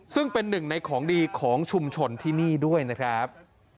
ซึ่งเป็นหนึ่งในของดีของชุมชนที่นี่ด้วยนะครับ